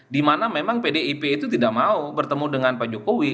dimana memang pdip itu tidak mau bertemu dengan pak jokowi